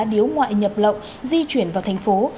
điều ngoại nhập lậu di chuyển vào thành phố